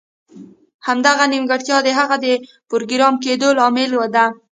همدغه نیمګړتیا د هغه د پروګرامر کیدو لامل ده